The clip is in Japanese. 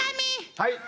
はい。